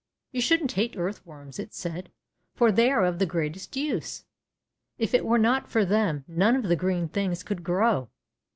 ^^You shouldn't hate earthworms," it said, for they are of the greatest use. If it were not for them none of the green things could grow.